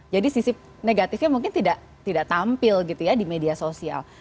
jadi sisi negatifnya mungkin tidak tampil gitu ya di media sosial